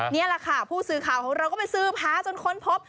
นี่แหละค่ะผู้สื่อข่าวของเราก็ไปซื้อพาจนค้นพบ